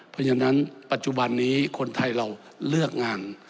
เพราะฉะนั้นปัจจุบันนี้คนไทยเราเลือกงาน